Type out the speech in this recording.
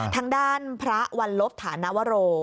ทางด้านพระวันลบฐานวโร